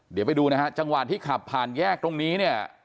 เดี๋ยวไปดูนะฮะจังหวะที่ขับผ่านแยกตรงนี้เนี่ย